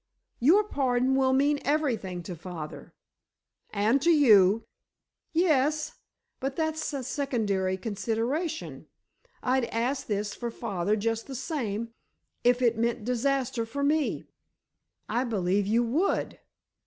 Your pardon will mean everything to father——" "And to you!" "Yes, but that's a secondary consideration. I'd ask this for father just the same, if it meant disaster for me!" "I believe you would!"